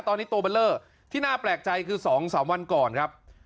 ตอนนี้ตัวเบอร์เลอร์ที่น่าแปลกใจคือ๒๓วันก่อนครับ